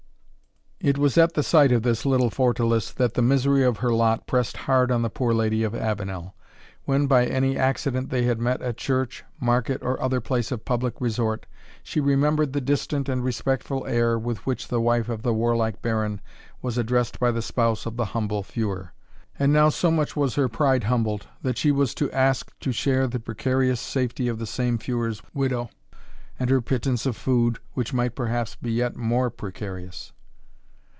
It was at the sight of this little fortalice that the misery of her lot pressed hard on the poor Lady of Avenel. When by any accident they had met at church, market, or other place of public resort, she remembered the distant and respectful air with which the wife of the warlike baron was addressed by the spouse of the humble feuar. And now, so much was her pride humbled, that she was to ask to share the precarious safety of the same feuar's widow, and her pittance of food, which might perhaps be yet more precarious.